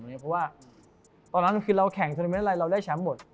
เพราะว่าตอนนั้นคือเราแข่งทวนาเมนต์อะไรเราได้แชมป์หมด